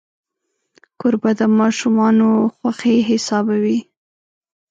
کوربه د ماشومانو خوښي حسابوي.